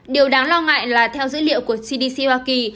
điều đáng lo ngại là theo dữ liệu của cdc hoa kỳ